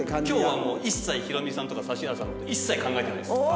今日はもう一切ヒロミさんとか指原さんの事一切考えてないです。